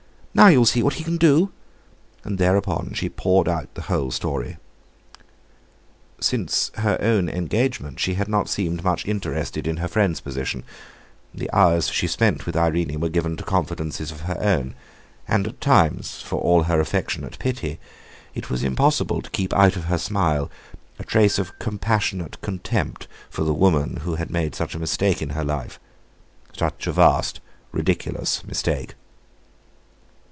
Now you'll see what he can do;" and thereupon she poured out the whole story. Since her own engagement she had not seemed much interested in her friend's position; the hours she spent with Irene were given to confidences of her own; and at times, for all her affectionate pity, it was impossible to keep out of her smile a trace of compassionate contempt for the woman who had made such a mistake in her life—such a vast, ridiculous mistake.